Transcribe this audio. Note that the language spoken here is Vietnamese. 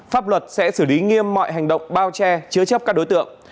pháp luật sẽ xử lý nghiêm mọi hành động bao che chứa chấp các đối tượng